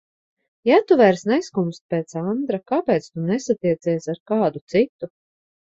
Ja tu vairs neskumsti pēc Andra, kāpēc tu nesatiecies ar kādu citu?